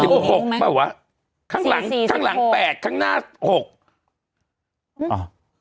สี่หกหรือไหมห้างหลังสี่สี่ห้างหลังแปดข้างหน้าหกอ่า